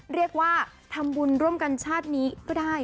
เรียกว่าทำบุญร่วมกันชาตินี้ก็ได้